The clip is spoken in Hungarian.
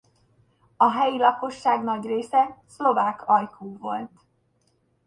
A helyi lakosság nagy része szlovák ajkú volt.